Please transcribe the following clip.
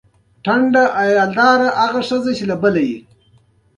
د کچالو او پیاز سړې خونې شته؟